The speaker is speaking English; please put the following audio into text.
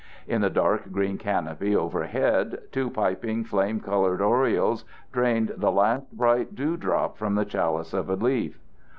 In the dark green canopy overhead two piping flame colored orioles drained the last bright dew drop from the chalice of a leaf.